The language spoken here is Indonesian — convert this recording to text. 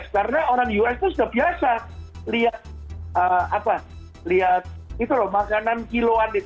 karena orang amerika sudah biasa lihat makanan kilo an